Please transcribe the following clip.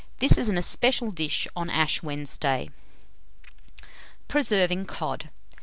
This is an especial dish on Ash Wednesday. PRESERVING COD.